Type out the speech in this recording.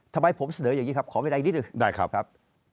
ทำไมผมเสนออย่างนี้ครับขอเวลาอีกนิดหนึ่งได้ครับ